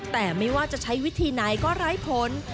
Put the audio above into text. แต่ไม่ว่าจะใช้วิธีไหนก็ไร้ผล